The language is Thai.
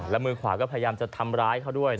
แล้วมือขวาก็พยายามจะทำร้ายเขาด้วย